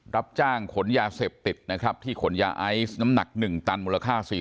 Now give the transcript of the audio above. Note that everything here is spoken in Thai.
รับจ้างขนยาเสพติดนะครับที่ขนยาไอซ์น้ำหนัก๑ตันมูลค่า